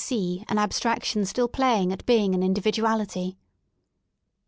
"j an abstraction still play ing at being an individuality.